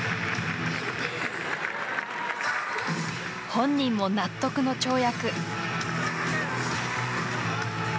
本人も納得の跳躍。